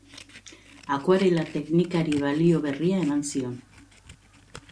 Akuarela teknikari balio berria eman zion.